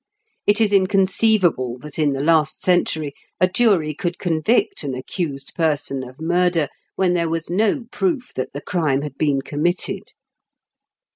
It is inconceivable that, in the last century, a jury could convict an accused person of murder when there was no proof that the crime had been committed.